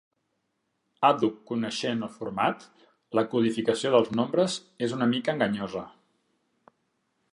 Àdhuc coneixent el format, la codificació dels nombres és una mica enganyosa.